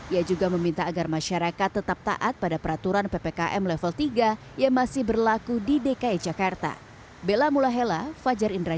ia juga meminta agar masyarakat tetap taat pada peraturan ppkm level tiga yang masih berlaku di dki jakarta